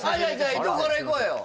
伊藤からいこうよ！